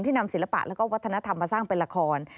นำศิลปะแล้วก็วัฒนธรรมมาสร้างเป็นละคร